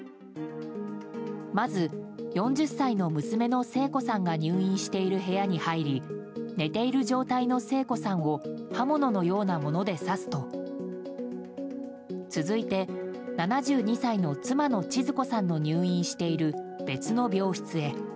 まず、４０歳の娘の聖子さんが入院している部屋に入り寝ている状態の聖子さんを刃物のようなもので刺すと続いて、７２歳の妻のちづ子さんの入院している別の病室へ。